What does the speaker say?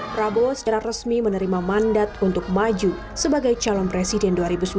prabowo secara resmi menerima mandat untuk maju sebagai calon presiden dua ribu sembilan belas